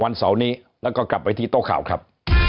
เสาร์นี้แล้วก็กลับไปที่โต๊ะข่าวครับ